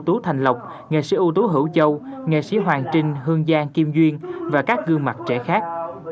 tú thành lộc nghệ sĩ ưu tú hữu châu nghệ sĩ hoàng trinh hương giang kim duyên và các gương mặt trẻ khác